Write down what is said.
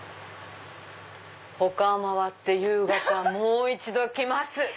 他を回って夕方もう一度来ます！